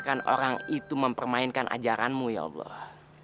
jangan biarkan orang itu mempermainkan ajaranmu ya allah